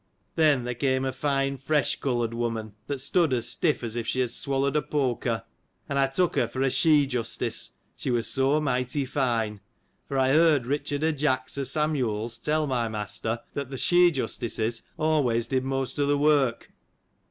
Then, there came a fine fresh coloured woman, that stood as stiff as if she had swallowed a poker ; and I took her for a she justice, she was so mighty fine : for I heard Eichard o' Jack's, o' Samuel's, tell my master, that, th' she justices^ always did most of the work.